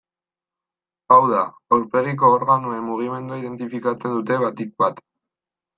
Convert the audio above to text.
Hau da, aurpegiko organoen mugimendua identifikatzen dute batik bat.